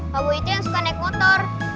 kak boy itu yang suka naik motor